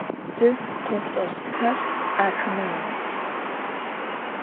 Джы къыосӀощтхэр ахэмэ ямыӀу!